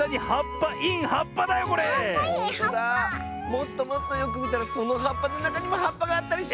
もっともっとよくみたらそのはっぱのなかにもはっぱがあったりして！